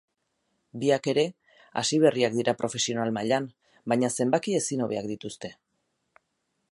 Biak ere hasi berriak dira profesional mailan, baina zenbaki ezin hobeak dituzte.